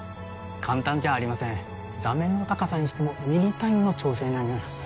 簡単じゃありません座面の高さにしてもミリ単位の調整になります